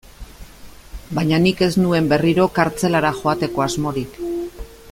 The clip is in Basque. Baina nik ez nuen berriro kartzelara joateko asmorik.